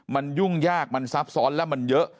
มันยุ่งยากมันซับซ้อนและมันเยอะ